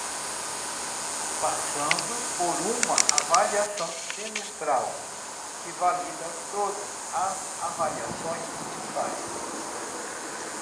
Passando por uma avaliação semestral, que valida todas as avaliações mensais